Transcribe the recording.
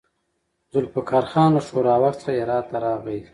ذوالفقار خان له ښوراوک څخه هرات ته راغی.